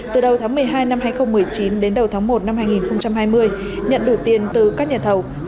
từ đầu tháng một mươi hai năm hai nghìn một mươi chín đến đầu tháng một năm hai nghìn hai mươi nhận đủ tiền từ các nhà thầu